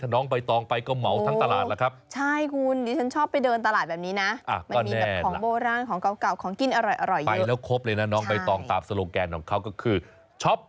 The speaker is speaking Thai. น้องใบตองไปก็เหมาทั้งตลาดแล้วครับ